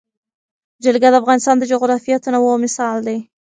جلګه د افغانستان د جغرافیوي تنوع مثال دی.